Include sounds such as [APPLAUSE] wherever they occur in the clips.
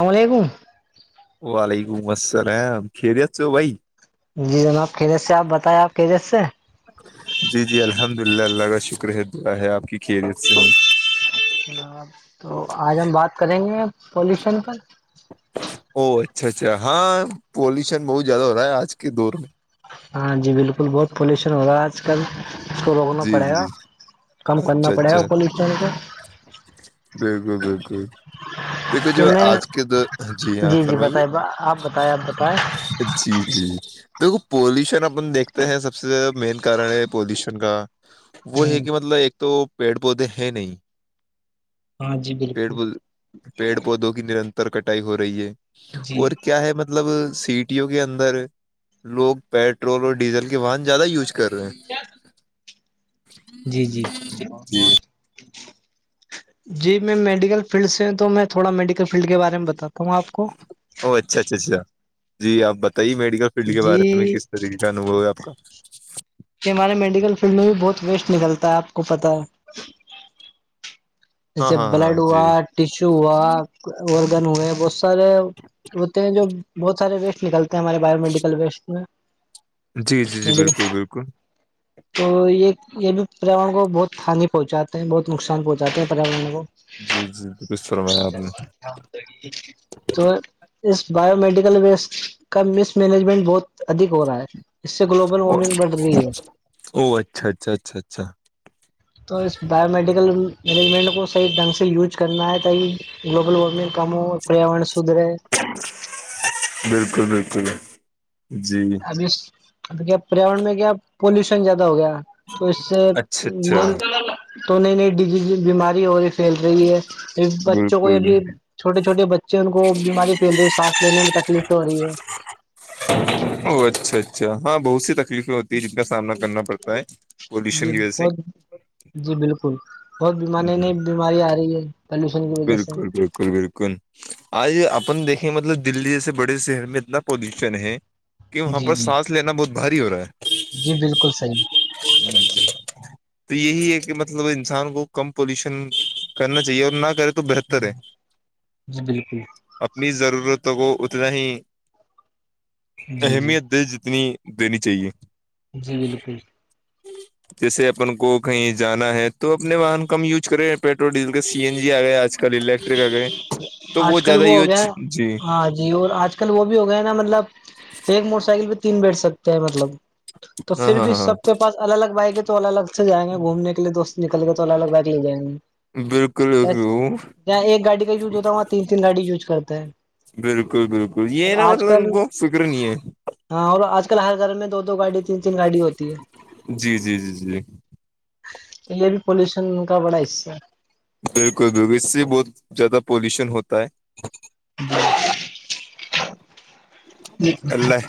السلام علیکم وعلیکم السلام خیریت سے بھائی جی جناب خریت سے آپ بتائیں آپ کیریت سے جی جی الحمد للہ اللہ کا شکر ہے دعا ہے آپ کی خریت سے ہی تو آج ہم بات کریں گے پالوشن پر او اچھا اچھا ہاں پولوشن بہت زیادہ ہو رہا ہے آج کے دور میں ہاں جی بالکل بہت پالوشن ہو رہا ہے آج کل اس کو روکنا جی پڑے گا جی جی کم کرنا اچھا پڑے گا اچھا پالوشن کو بالکل بالکل دیکھو کہ جو میں آج کے دو جی ہاں فرمائیے بتائے آپ بتائیں آپ بتائیں جی جی جی دیکھو پالوشن اپن دیکھتے ہیں سب سے مین کارن ہے پولوشن کا وہ ہ ہے کہ مطلب ایک تو پیڑ پودے ہیں نہیں ہاں جی پڑ بالکل پیڑ پودوں کی نرنتر کٹائی ہو رہی ہے جی اور کیا ہے مطلب سیٹیوں کے اندر لوگ پیٹرول اور ڈیزل کے وہن زیادہ یوز کر رہے ہیں جی جی جی جی میں میڈیکل فیلڈ سے ہ تو میں تھوڑا میڈیکل فیلڈ کے بارے میں بتاتا ہوں آپ کو ا اچھا اچھا اچھا جی آپ بتائیے میڈیکل فیلڈ کے بارے میں جی کس طریقے کا انوھو ہے آپ کا یہ ہمارے میڈیکل فیلڈ میں بھی بہت ویسٹ نکلتا ہے آپ کو پتتا ہے ہاں جیسے ہاں ہاں بلڈ جی ہوا ٹیشو ہوا اوررگن ہوئے بہت سارے ہوتے ہیں جو بہت سارے ویسٹ نکلتے ہیں ہمارے باو میڈیکل ویسٹ میں جی جی جی بالکل بالکل تو یہ یہ بھی پریاورن کو بہت ہانی پہنچاتے ہیں بہت نقصان پہنچاتے ہیں پریاورن ل کو جی جی بالک فرمایاد میں [UNINTELLIGIBLE] تو اس بایو مڈیکل ویسٹ کا مس مینجمنٹ بہت ادھک ہو رہا ہے اس سے گلوبل او وارمنگ بڑھ رہی ہے او اچھا اچھا اچھا اچھا تو اس بایو میڈیکل مینجمنٹ کو صحیح ڈھنگ سے یوج کرنا ہے ت ہی گلوبل وارمنگ کام ہو پریاورر سدھ رہے بالکل بالکل جی اب کیا پریاور میں کیا پولوشن زیادہ ہو گیا تو اس سے اچھا اچھا تو نئی نئی ڈ بیماری ہو رہی کھیل رہی ہے بچوں کو یہب بالکل چھوٹے چوٹے بچے ان کو بیماری پھیل رہی ہے ساس لینے میں تکلیف تو ہو رہی ہے او اچھا اچھا ہاں بہت سی تکلیف ہوتی ہے جن کا سامنا کرنا پڑتا ہے جی پولوشن کی وجہ سے بہت جی بالکل بہت بیمار نئی نئی بیماری آ رہی ہے پلوشن کی وجہ سے بالکل بالکل بالکل کون آج اپن دیکھیں مطلب دلی جیسے بڑے شہر میں اتنا پالوشن ہے کہ وہاں جی پر جی سانس لینا بہت بھاری ہو رہا ہے جی بالکل صحیح تو یہی ہے کہ مطلب انسان کو کم پالوشن کرنا چاہیے اور نہ کریں تو بہتر ہے جی بالکل اپنی ضرورتوں کو اتنا ہی جی جی اہمیت دے جتنی دینی چاہیے جی بالکل جیسے اپن کو کہیں جانا ہے تو اپنے واہن کو کم وز کرے petrol diesel C N G آ گئے آجل کل الیکٹرک آ گئے تو وہ زیادہ یوج جی اں جی اور آج کل وہ بھی ہو گئے نا مطلب ایک موٹر سائیکل پہ تین بیٹھ سکتے ہیں مطلب تو ہاں پھر ہاں بھی ہاں ہاں سب کے پاس الگ الگ بائ گے تو الگ الگ سے جائیں گے گھومنے کے لیے دوست نکل گئے تو سو لگا دی جائے گا بالکل جہاں ایک گاڑی کا یوز ہوتا ہے وہاں تین تین گاڑی یوج کرتے ہیں بالکل بالکل یہ اب ہے نا آج مطلب ان کل کو فکر نہیں ہے ہاں اور آج کل ہر گھر میں دو دو گاڑی تین تین گاڑی ہوتی ہے جی جی جی جی یہ بھی پولوشن کا بڑا حصہ ہے بالکل بالکل اس سے بہت زیادہ پالوشن ہوتا ہے جی اللہ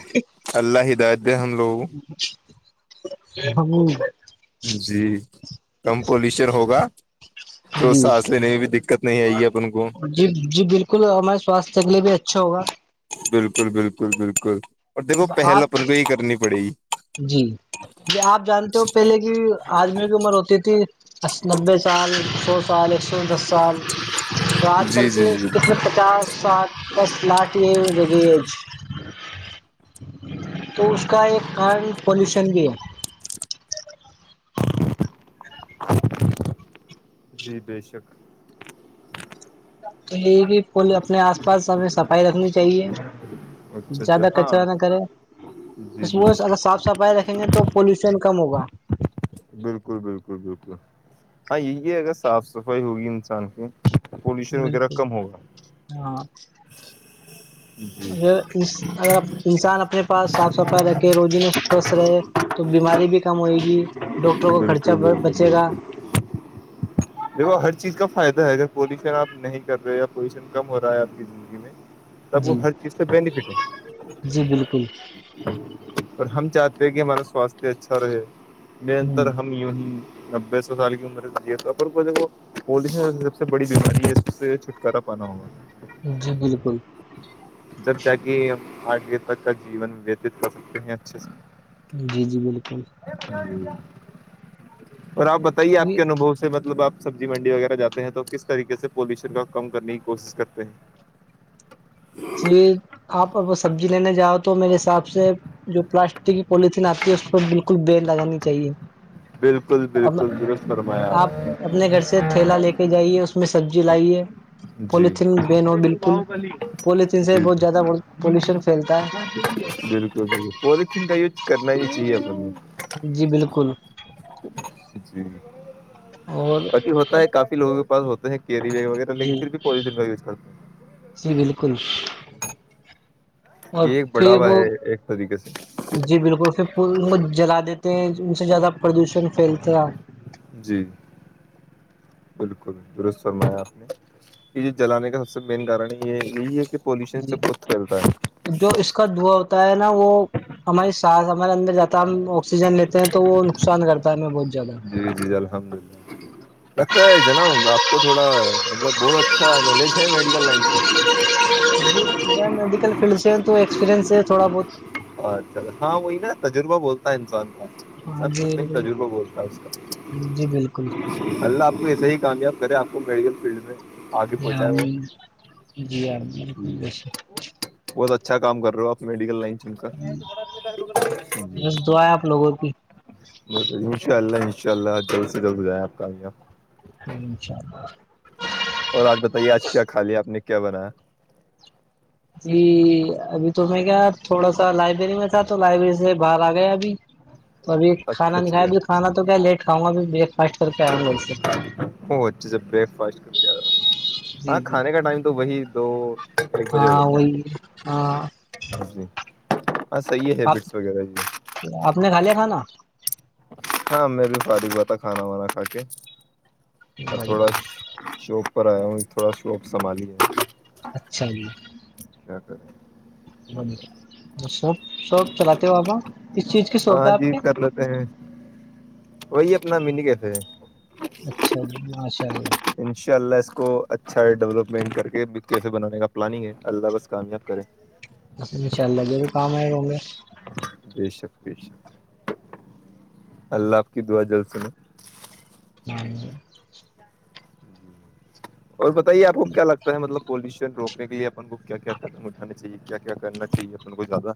اللہ ہدایت ہے ہم لوگوں کو ہ جی کم پولیشر ہوگا تو جی سانس لینے کی بھی دقت نہیں آئی ہے اپن کو جی جی بالکل ہمارے سواستھ کے لیے بھی اچھا ہوگا بالکل بالکل بالکل اور دیکھو اب پہل آپ اپن کو یہ کرنی پڑے گی جی جی آپ جانتے ہو پہلے کی آجمی عمر ہوتی تھی نبے سال سو سال ایک سو دس سال تو آج کل جی جی کے جی بالکل کتنے پچاس سال بس لاٹ یہگ تو اس کا ایک کار پولوشن بھی ہے جی بے شک تو یہ کہ پولے اپنے آس پاس ہمیں صفائی رکھنی چاہیے اچھا اچھا زیادہ کچرا ہاں نہ کرے جی ب وہ بالکل اگر صاف صفائی رکھیں گے تو پولوشن کم ہوگا بالکل بالکل بالکل ہاں یہ ہے اگر صاف صفائی ہوگی انسان کی پولوشن وغیرہ بالکل کم ہوگا ہاں جی اگر اس اگر انسان اپنے پاس صاف صفائی رکھے روزی نے سوستھ رہے تو بیماری بھی کم ہوئے گی ڈاکٹروں کا خرچہ بالکل بالکل بچے گا دیکو ہر چیز کا فائدہ ہے اگر پالیوشن آپ نہیں کر رہے یا پولیشن کم ہو رہا ہے آپ کی زندگی میں تب جی وہ ہر چیز سے بینیفٹ ہے جی بالکل اور ہم چاہتے ہیں کہ ہمارا سواستھ اچھا رہے نرنتر ہ ہم یی نبے سو سال کی عمر سےجیے پر کو د کو پولشن سب سے بڑی بیماری ہے سب سے چھٹکارا پانا ہوگا جی بالکل جب جا کے آگے تک کا جیون وتیت کر سکتے ہیں اچھے سے جی جی بالکل اور آپ بتائیے آپ کے انوبو سے مطلب آپ سبزی منڈی وغیرہ جے ہیں تو کس طریق سے پالوشن کا کمنے کی کوشش کرتے ہیں جے آپ ا سبزی لینے جاہؤ تو میرے حساب سے جو پلاسٹک کی پولیتھین آتی ہے اس پہ بالکل بین لگانی چاہیے بالکل ا بالکل درست فرمایا آپ اپنے گھر سے تھیلا لے کے جائیے اس اس میں سبزی لائیے جی پولیتھین بین ہو بالکل باہوبلی پولیتین سے جی ہی بہت زیادہڑ جی پولوشن پھیلتا ہے بالکل بالکل پولیتھین کا یوز کرنا ہی چاہیے اپ جی بالکل جی اور باقی ہوتا ہے کافی لوگ کے پاس ہوتے ہیں کیری وغیرہ لیکن جی پھر بھی پین کا یوز کرتے جی بالکل اور یہ ایک پھر بڑھاوا وہ ہے ایک طریقے سے جی بالکل پھر جلا دیتے ہیں ان سے زیادہ پردوشن پھیلتا جی بالکل درست فرمایا آپ نے یہ جو جلانے کا سب سے مین کار یہ یہی ہے کہ پولوشن چ جی بک کرتا ہے جو اس کا دوا ہوتا ہے نا وہ ہماری ساس ہمارے اندر جاتا ہے ہم آکسیجن لیتے ہیں تو وہ نقصان کرتا ہے ہمیں بہت زیادہ جی جی الحمد للہ [UNINTELLIGIBLE] کہتا ہے جناب آپ کو تھوڑا مطلب بہت اچھا نالج ہے میڈیکل لائن سے جی میڈیکل فیلڈ سے تو ایکسپرینس ہے تھوڑا بہت اچھا ہاں وہی نا تجربہ بولتا ہے انسان کا ہاں سب جی کچھ نہیں تجربہ بولتا اس جی بالکل کا اللہ آپ کو ایسا ہی کامیاب کرے آپ کو میڈیکل فیلڈ میں آگے یہاں پہنچاائے وہ جی ہاں جی بالکل بے شک، بہت اچھا کام کر رہے ہو آپ میڈیکل لائن [INAUDIBLE] [UNINTELLIGIBLE] ب بس دعا ہے آپ لوگوں کی ان شاء اللہ انشاء اللہ جلد سے جلد گزائےیا آپ کااں انشاء اللہ اور آج بتائیے آج کیا کھایا آپ نے کیا بنایا جی ابھی تو میں کیا تھوڑا سا لائبریری میں تھا تو لائبریری سے باہر آ گیا ابھی تو ابھی اچھا کھانا نہیں کھایا اچھا ابھی کھانا تو کیا لیٹ کھاں گا اب بریک فاسٹ کر کے آیاؤں گھر سے وہ اچھے سے بریک فاسٹ کر کے آ رہا ہوں ہاں جی جی کھانے کا ٹائم تو وہی دو ایک بجے ہو ہاں جاتتا وہی ہاں ہے جی ہاں صحیح ہے آپ بٹس وغیرہ جی [UNINTELLIGIBLE] آپ نے کھا لیا کھانا ہاں میں بھی فارغ ہوا تھا کھانا وانا کھا کے اور تھوڑا شوق پر آیا ہوں تھوڑا شوق سنبھالیا اچھا جی کیا کر [UNINTELLIGIBLE] شاپ شاپ چلاتے ہو آپ کس چیز کی شاپ ہاں ہے آپ جی کے کر وہی اپنا مین کیسے ہیں اچھا جی ماشاء اللہ ان شاء اللہ اس کو اچھا ہے ڈیولپمنٹ کر کے کیسے بنانے کا پلاننگ ہے اللہ بس کامیاب کرے ب انا اللہے بھی کام آ گ گے بے شک بے شک اللہ آپ کی دعا جلد سن نار [UNINTELLIGIBLE] اور بتائیے آپ کو کیا لگتا ہے مطلب پولوشن رو سنے کے لیے اپ کو کیا کیا قدم اٹھانے چاہیے کیا کیا کرنا چاہیے اپ کو زیادہ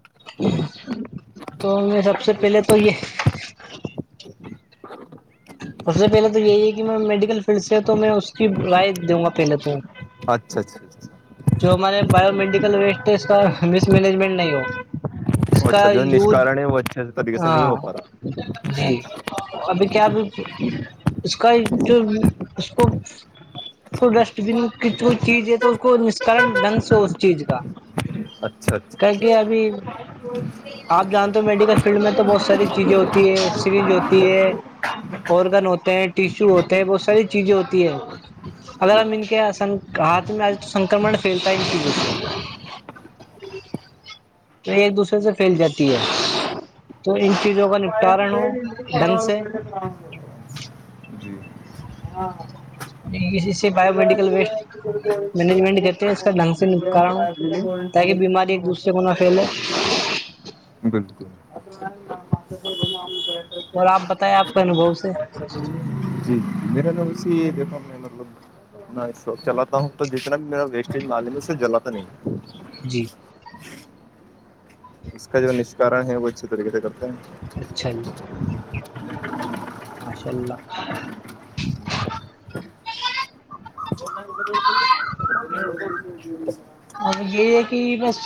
تو میں سب سے پہلے تو یہ سب سے پہلے تو یہی ہے کہ میں میڈیکل فیلڈ سے ہے تو میں اس کی رائے دوں گا پہلے تو اچھا اچھا اچھا جو ہمارے بایو مڈیکل ویٹ ہے اس کا مس مینجمنٹ نہیں ہو اس کا اچھا جو یوز نشکارن ہے وہ اچھے طریقے سے نہیں ہاں ہو پا رہا جی جی ابھی کیا اب اس کا جو اس کو [UNINTELLIGIBLE] تو ڈسٹ بین کی کوئی چیز ہے تو اس کو نسکرن ڈھنگ سے اس چیز کا اچھا کر اچھا کے ابھی آپ جانتے ہو میڈیکل فیلڈ میں تو بہت ساری چیزیں ہوتی ہے سرینج ہوتی ہے آرگن ہوتے ہیں ٹیشو ہوتے ہیں بہت ساری چیزیں ہوتی ہیں اگر ہم ان کے ہاتھ میں آج تو سنکرمن پھیلتا ہے ان چیزوں سے تو ایک دوسرے سے پھیل جاتی ہے تو ان چیزوں کا نپٹارن ہو ڈھنگ سے ھم [UNINTELLIGIBLE] اسے بایو میڈیکل ویسٹ ج مینجمنٹ کہتے ہیں اس کا ڈھنگ سے نپٹارن ہو [UNINTELLIGIBLE] تاکہ بیماری ایک دوسرے کو نہ پھیلے بالکل بام سے [UNINTELLIGIBLE] اور آپ بتائیں آپ کے انوبو سے جی میرا نام اسی دا مطلب [UNINTELLIGIBLE] میں سو چلاتا ہوں تو جتنا بھی میرا ویسٹیج مالے میں اس جلاتا نہیں جی اس کا جو نشکارن ہے وہ اچھی طریقے سے کرتے ہیں اچھا ج ماشاء اللہ ج ج م یہ ہے کہ بس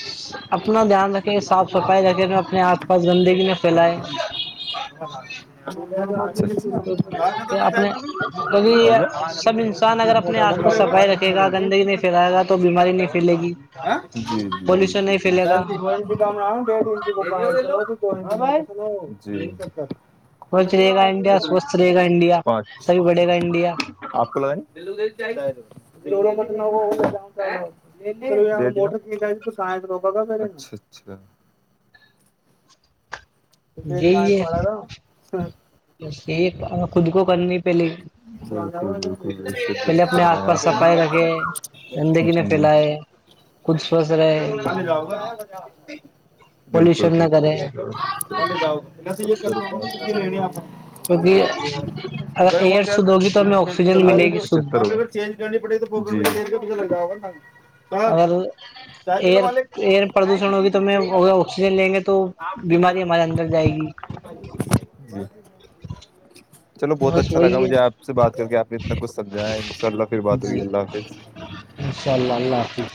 اپنا دھیان رکھے صاف صفائی رکھے میں اپنے آپ پانچ بندگی میں پھیلائے وہ ہ تو اچھا اپنے کیونکہ سب انسان اگر اپنے آس پاس صفائی رکھے گا گندگی نہیں پھیلائے گا تو بیماری نہیں پھیلے گی ہاں جی پولوشن نہیں پھیلے گا جیض ج ڈ سوچھ رہے گا انڈیا سوستھ رہے گا انڈیا تبھی بڑے گا انڈیا ا م ن وٹر ج تو سید روگا کاا اچھا اچھا کیں پڑا گا ب یہ خود کو کرنی پہلے بالکل بالکل ش گ پہلے سر اپنے میں آس پاس آپ صفائی رکھے گندگی نہ کی جی پھیلائے خود سوستھ رہے ؤ گا بالکل پولوشن نہ بالکل کرے بکل اے جاؤ پ تو یہ کر لنے کیونکہ اگر ایئر گ شدھ ہوگی تو ہمیں آکسیجن ملے گی چ شدھ پڑ توگا اگر ایئر ایئر پردوشن ہوگی تو ہم آکسیجن لیں گے تو بیماری ہمارے اندر جائے گی ج چلو بہت بس اچھا لگا وہی مجھے ج آپ سے بات کر کے آپ نے اتنا کچھ سمجھا ہے ان شاء اللہ پھر بات ہوئی ہے اللہ پھر ان شاء اللہ حافظ